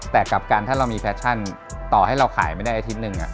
แต่กับการถ้าเรามีแฟชั่นต่อให้เราขายไม่ได้อาทิตย์หนึ่ง